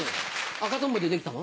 赤とんぼで出来たの？